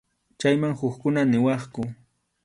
Chayman hukkuna niwaqku.